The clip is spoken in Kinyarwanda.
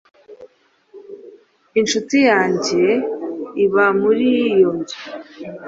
inshuti yanjye iba muri iyo nzu